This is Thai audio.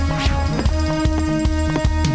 แม่บ้านประจันบาน